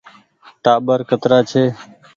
ٽآٻر ڪترآ ڇي ۔